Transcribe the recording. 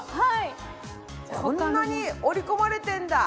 こんなに織り込まれてるんだ！